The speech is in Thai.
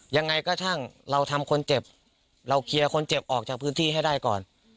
ยังไงก็ช่างเราทำคนเจ็บเราเคลียร์คนเจ็บออกจากพื้นที่ให้ได้ก่อน